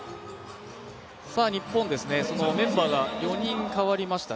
日本、メンバーが４人代わりました。